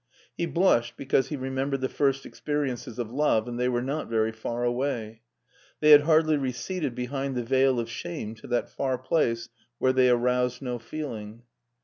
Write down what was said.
He blushed, because he reihembered the first experi ences of love, and they were not very far away; they had hardly receded behind the veil of shame to that far place where they arouse no feeling.